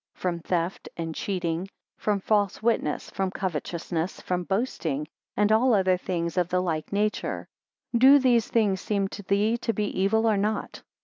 From theft, and cheating; from false witness, from covetousness, from boasting, and all other things of the like nature. 6 Do these things seem to thee to be evil or not?